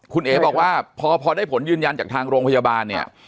คุณเอ๋บอกว่าพอได้ผลยืนยันจากทางโรงพยาบาลเนี่ย